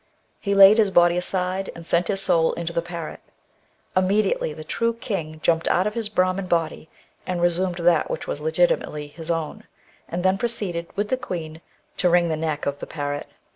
He laid his body aside, and sent his soul into the parrot. Immediately the true king jumped out of his Brahmin body and resumed that which was legitimately his own, and then proceeded, with the queen, to wring the neck of the parrot.